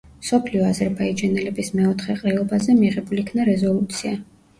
მსოფლიო აზერბაიჯანელების მეოთხე ყრილობაზე მიღებულ იქნა რეზოლუცია.